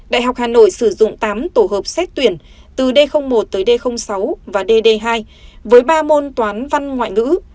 đại học hà nội sử dụng tám tổ hợp xét tuyển từ d một tới d sáu và dd hai với ba môn toán văn ngoại ngữ